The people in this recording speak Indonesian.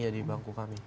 ya di bangku kami